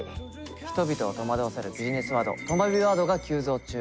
人々を戸惑わせるビジネスワードとまビワードが急増中。